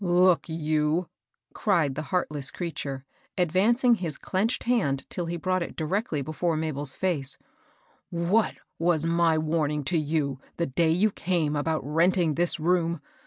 " Look you !" cried the heartless creature, ad vancing his clenched hand till he brought it directly before Mabel's face, "what was my warning to you the day you came about renting this room?